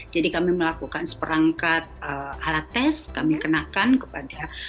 kami melakukan seperangkat alat tes kami kenakan kepada